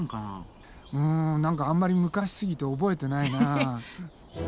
うん何かあんまり昔すぎて覚えてないなあ。